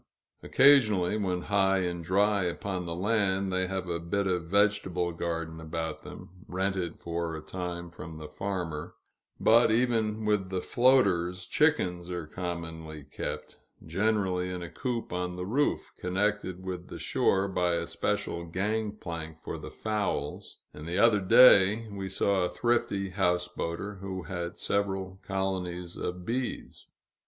Occasionally, when high and dry upon the land, they have a bit of vegetable garden about them, rented for a time from the farmer; but, even with the floaters, chickens are commonly kept, generally in a coop on the roof, connected with the shore by a special gang plank for the fowls; and the other day, we saw a thrifty houseboater who had several colonies of bees.